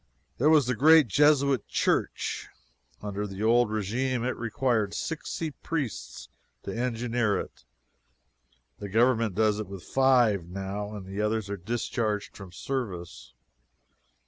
There was the great Jesuit Church. Under the old regime it required sixty priests to engineer it the Government does it with five, now, and the others are discharged from service.